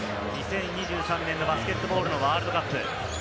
２０２３年のバスケットボールのワールドカップ。